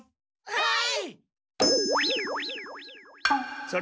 はい！